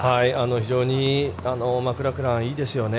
非常にマクラクランいいですよね。